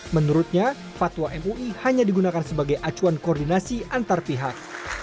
menurutnya fatwa mui hanya digunakan sebagai acuan koordinasi antar pihak